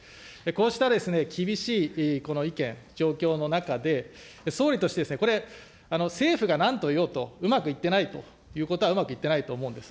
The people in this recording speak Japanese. こうした厳しいこの意見、状況の中で、総理としてですね、これ、政府がなんと言おうと、うまくいっていないということはうまくいっていないと思うんです。